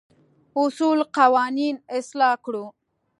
اصول قوانين اصلاح کړو.